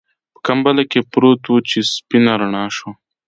په کمپله کې پروت و چې سپينه رڼا شوه.